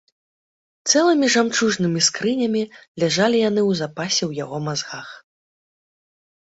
Цэлымі жамчужнымі скрынямі ляжалі яны ў запасе ў яго мазгах.